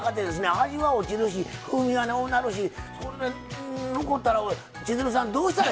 味は落ちるし風味はのうなるしそんで残ったら千鶴さんどうしたらいいんですかね？